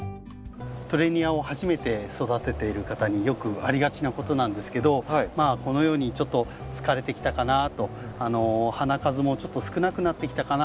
トレニアを初めて育てている方によくありがちなことなんですけどこのようにちょっと疲れてきたかなと花数もちょっと少なくなってきたかな。